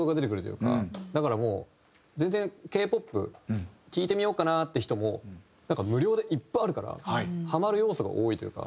だからもう全然Ｋ−ＰＯＰ聴いてみようかなって人も無料でいっぱいあるからハマる要素が多いというか。